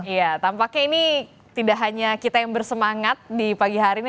ya tampaknya ini tidak hanya kita yang bersemangat di pagi hari ini